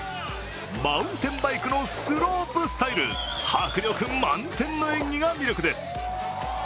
マウンテンバイクのスロープスタイル、迫力満点の演技が魅力です。